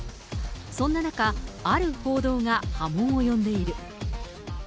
そんな中、ある報道が波紋を呼んでいる。